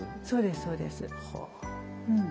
そうですそうです。